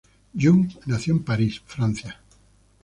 Yung nació en París, Francia.